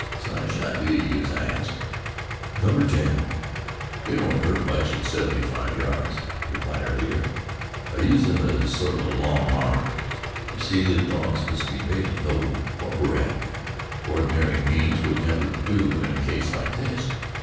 "What size shot do you use?" I asked. "Number ten. They don't hurt much at seventy five yards," replied our leader. "I use them as sort of a long arm. You see, the dogs must be made to know what we're after. Ordinary means would never do in a case like this.